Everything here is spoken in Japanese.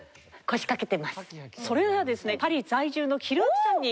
それではですね。